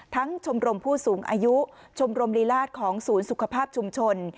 ชมรมผู้สูงอายุชมรมรีราชของศูนย์สุขภาพชุมชน